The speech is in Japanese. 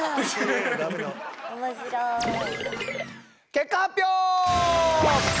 結果発表！